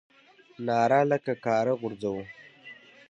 ناره له کاره غورځوو.